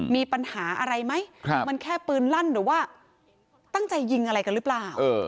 มีปัญหาอะไรไหมมันแค่ปืนลั่นหรือว่าตั้งใจยิงอะไรกันหรือเปล่า